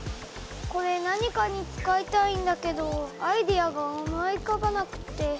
これ何かに使いたいんだけどアイデアが思いうかばなくて。